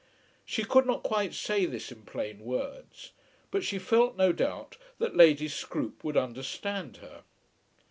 She could not quite say this in plain words; but she felt, no doubt, that Lady Scroope would understand her.